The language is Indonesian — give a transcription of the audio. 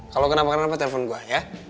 kalau kenapa kenapa telpon gue ya